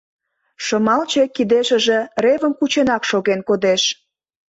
Шымалче кидешыже ревым кученак шоген кодеш.